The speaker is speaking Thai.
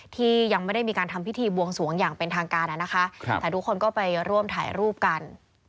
ที่ยังไม่ได้มีการทำพิธีบวงสวงอย่างเป็นทางการนะคะแต่ทุกคนก็ไปร่วมถ่ายรูปกัน